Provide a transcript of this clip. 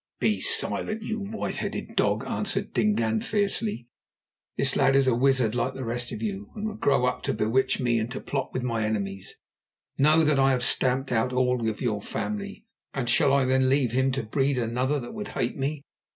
"Be silent, you white headed dog!" answered Dingaan fiercely. "This lad is a wizard, like the rest of you, and would grow up to bewitch me and to plot with my enemies. Know that I have stamped out all your family, and shall I then leave him to breed another that would hate me?